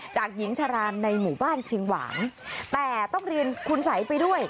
หญิงชารานในหมู่บ้านชิงหวางแต่ต้องเรียนคุณสัยไปด้วย